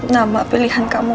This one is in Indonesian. nambah pilihan kamu